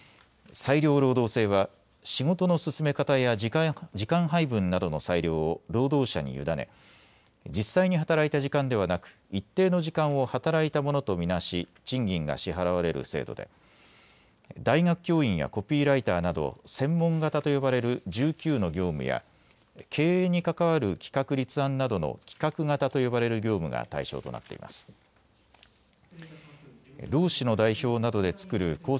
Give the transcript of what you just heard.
裁量労働制は仕事の進め方や時間配分などの裁量を労働者に委ね、実際に働いた時間ではなく一定の時間を働いたものと見なし賃金が支払われる制度で大学教員やコピーライターなど専門型と呼ばれる１９の業務や経営に関わる企画立案などの企画型と呼ばれる業務が対象となっています。